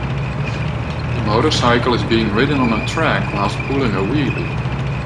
The motorcycle is being ridden on a track whilst pulling a wheelie.